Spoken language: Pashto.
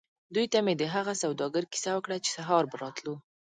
دوی ته مې د هغه سوداګر کیسه وکړه چې سهار به راتلو.